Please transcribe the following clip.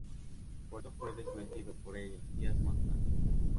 Pero esto fue desmentido por ella, días más tarde.